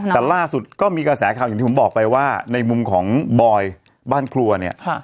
แต่ล่าสุดก็มีกระแสข่าวอย่างที่ผมบอกไปว่าในมุมของบอยบ้านครัวเนี่ย